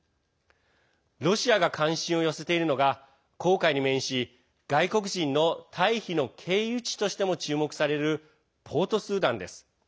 ロシアが関心を寄せているのが紅海に面し外国人の退避の経由地としても注目されるポートスーダンです。